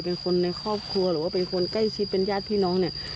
เป็นคนในครอบครัวหรือว่าเป็นคนใกล้ชิดเป็นญาติพี่น้องเนี่ย